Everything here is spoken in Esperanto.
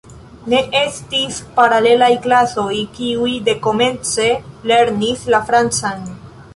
Ne estis paralelaj klasoj, kiuj dekomence lernis la francan.